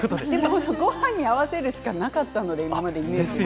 ごはんに合わせるしかなかったので、今まで。